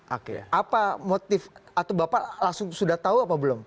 oke apa motif atau bapak langsung sudah tahu apa belum